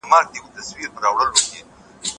زه وخت نه تېرووم!!